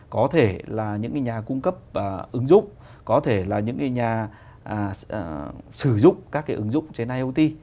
có thể là những nhà cung cấp ứng dụng có thể là những nhà sử dụng các ứng dụng trên iot